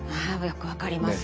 よく分かります。